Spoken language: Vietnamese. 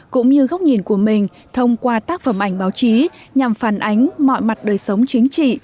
cũng như góc nhìn của mình thông qua tác phẩm ảnh báo chí nhằm phản ánh mọi mặt đời sống chính trị